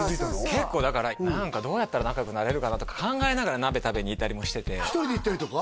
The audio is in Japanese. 結構だから何かどうやったら仲良くなれるかなとか考えながら鍋食べに行ったりもしてて１人で行ったりとか？